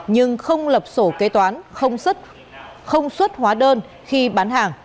nhưng không lập sổ kế toán không xuất hóa đơn khi bán hàng